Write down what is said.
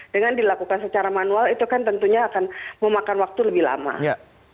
dengan dilakukan secara manual itu kan tentunya akan memakan waktu lebih lama